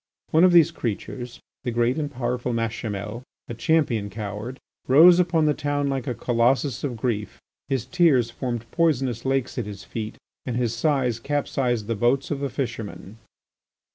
One of these creatures, the rich and powerful Machimel, a champion coward, rose upon the town like a colossus of grief; his tears formed poisonous lakes at his feet and his sighs capsized the boats of the fishermen.